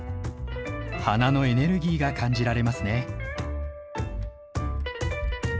花のエネルギーが感じられますね。